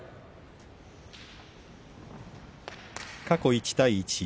過去１対１。